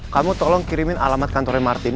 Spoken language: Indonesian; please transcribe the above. kamu tolong kirimin alamat kantornya martin